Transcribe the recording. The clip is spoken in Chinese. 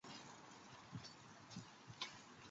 计算函数是在自然数上的有限偏函数。